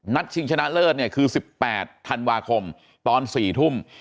ชิงชนะเลิศเนี่ยคือ๑๘ธันวาคมตอน๔ทุ่ม